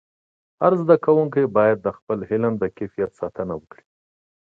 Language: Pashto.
هر زده کوونکی باید د خپلې لوحې د کیفیت ساتنه وکړي.